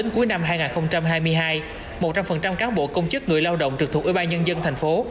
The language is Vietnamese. cuối năm hai nghìn hai mươi hai một trăm linh cán bộ công chức người lao động trực thuộc ủy ban nhân dân thành phố